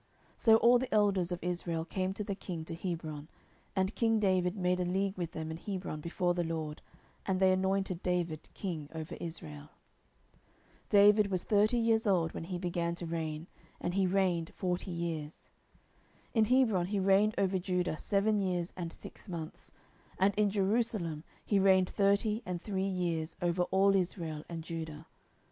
10:005:003 So all the elders of Israel came to the king to Hebron; and king David made a league with them in Hebron before the LORD: and they anointed David king over Israel. 10:005:004 David was thirty years old when he began to reign, and he reigned forty years. 10:005:005 In Hebron he reigned over Judah seven years and six months: and in Jerusalem he reigned thirty and three years over all Israel and Judah.